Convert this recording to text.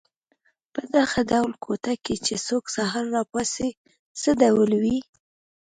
په دغه ډول کوټه کې چې څوک سهار را پاڅي څه ډول وي.